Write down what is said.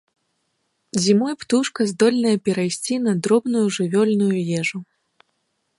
Зімой птушка здольная перайсці на дробную жывёльную ежу.